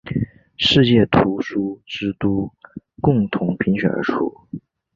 世界图书之都共同评选而出。